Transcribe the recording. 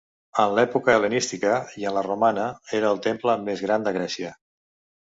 En l'època hel·lenística i en la romana era el temple més gran de Grècia.